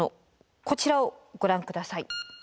こちらをご覧下さい。